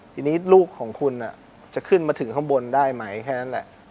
ทีนี้ลูกของคุณจะขึ้นมาถึงข้างบนได้ไหมแค่นั้นแหละ